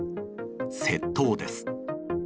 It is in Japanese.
窃盗です。